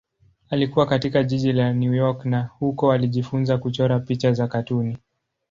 Alikua katika jiji la New York na huko alijifunza kuchora picha za katuni.